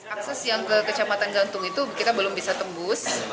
akses yang ke kecamatan gantung itu kita belum bisa tembus